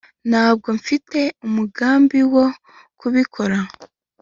ntabwo mfite umugambi wo kubikora